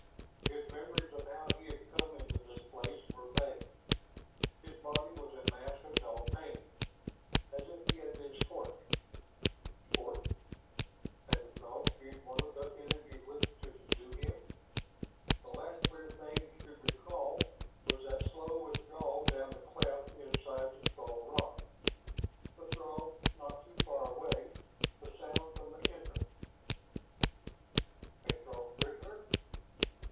His memories of how he had come into this place were vague; his body was a mass of dull pain, as if he had been scorched. Scorched! Had the Throgs used one of their energy whips to subdue him? The last clear thing he could recall was that slow withdrawal down the cleft inside the skull rock, the Throg not too far away the sound from the entrance. A Throg prisoner!